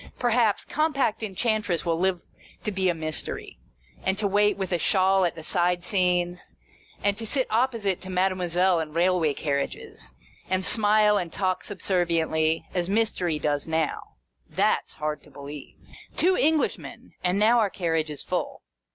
Perhaps, Compact Enchantress will live to be a Mystery, and to wait with a shawl at the side scenes, and to sit opposite to Made moiselle in railway carriages, and smile and talk subserviently, as Mystery does now. That 's hard to believe ! Two Englishmen, and now our carriage is full.